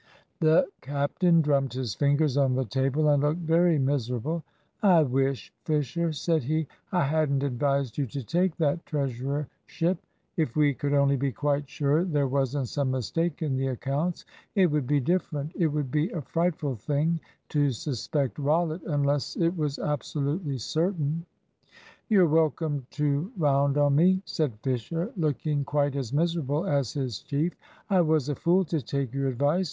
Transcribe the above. The captain drummed his fingers on the table and looked very miserable. "I wish, Fisher," said he, "I hadn't advised you to take that treasurership. If we could only be quite sure there wasn't some mistake in the accounts, it would be different. It would be a frightful thing to suspect Rollitt unless it was absolutely certain." "You're welcome to round on me," said Fisher, looking quite as miserable as his chief. "I was a fool to take your advice.